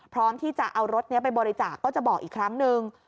พร้อมที่จะเอารถนี้ไปบริจาคก็จะบอกอีกครั้งนึง